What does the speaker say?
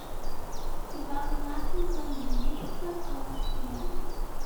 Die Variablen können beliebig vertauscht werden.